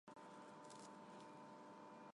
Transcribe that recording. - Իսկույն կանցնի ցավը: